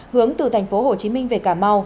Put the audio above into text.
hướng từ thành phố hồ chí minh về cà mau